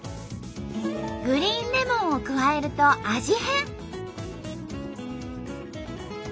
グリーンレモンを加えると味変！